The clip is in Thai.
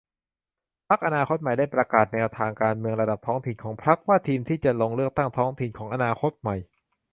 พรรคอนาคตใหม่ได้ประกาศแนวทางการเมืองระดับท้องถิ่นของพรรคว่า ทีมที่จะลงเลือกตั้งท้องถิ่น ของอนาคตใหม่